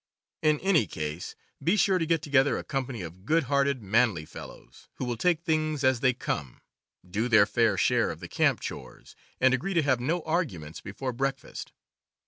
In any case, be sure to get together a company of good hearted, manly fellows, who will take things as they come, do their fair share of the camp chores, and agree to have no arguments before breakfast.